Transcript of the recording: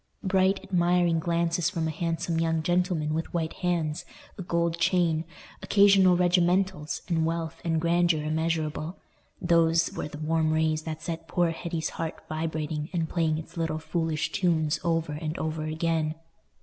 Bright, admiring glances from a handsome young gentleman with white hands, a gold chain, occasional regimentals, and wealth and grandeur immeasurable—those were the warm rays that set poor Hetty's heart vibrating and playing its little foolish tunes over and over again.